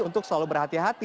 untuk selalu berhati hati